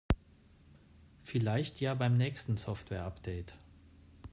Vielleicht ja beim nächsten Softwareupdate.